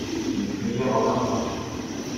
Une cuillère en argent.